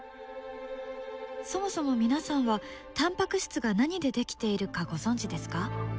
そもそも皆さんはタンパク質が何で出来ているかご存じですか？